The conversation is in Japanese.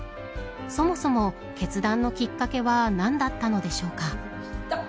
そもそも、決断のきっかけは何だったのでしょうか。